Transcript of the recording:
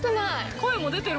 声が出てる。